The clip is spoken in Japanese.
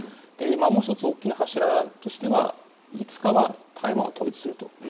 もう１つ、大きな柱はいつかは台湾を統一すると。